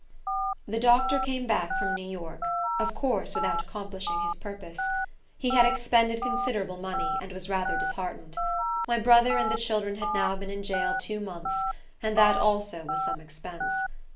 The Doctor came back from New York, of course without accomplishing his purpose. He had expended considerable money, and was rather disheartened. My brother and the children had now been in jail two months, and that also was some expense.